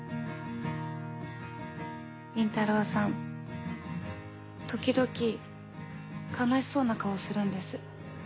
倫太郎さん時々悲しそうな顔するんです。